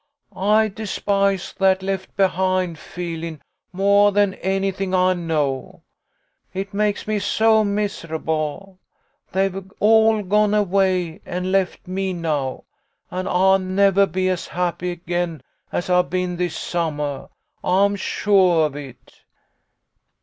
I despise that ' left behind ' feelin' moah than anything I know. It makes me so misaJiblel They've all gone away and left me now, and I'll nevah be as happy again as I've been this summah. I'm suah of it